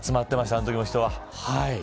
あのときも人が。